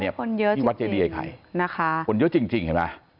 คนเยอะจริงนะคะคนเยอะจริงอ่ะ